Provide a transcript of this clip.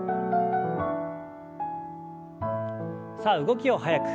さあ動きを速く。